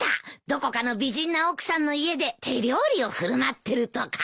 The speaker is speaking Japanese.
どこかの美人な奥さんの家で手料理を振る舞ってるとか。